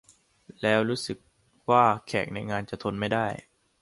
แล้วรู้สึกว่าแขกในงานจะทนไม่ได้